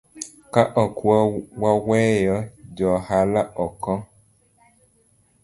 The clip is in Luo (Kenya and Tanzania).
Ka ok waweyo joohala oko